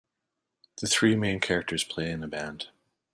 The three main characters play in a band.